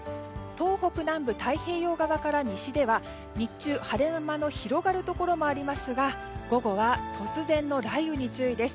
東北南部、太平洋側から西では日中、晴れ間の広がるところもありますが午後は、突然の雷雨に注意です。